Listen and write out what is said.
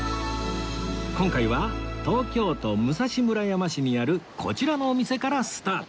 今回は東京都武蔵村山市にあるこちらのお店からスタート